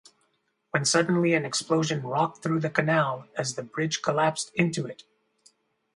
When suddenly an explosion rocked through the Canal as the bridge collapsed into it.